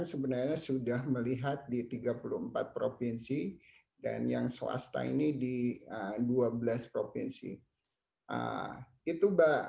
ghost air softbaq sebenarnya sudah melihat di tiga puluh empat provinsi dan yang swasta ini di dua belas provinsi ituba